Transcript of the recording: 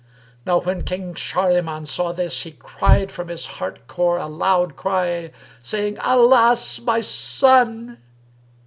Now when King Shahriman saw this, he cried from his heart core a loud cry, saying, "Alas, my son!"